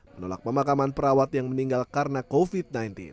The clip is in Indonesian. menolak pemakaman perawat yang meninggal karena covid sembilan belas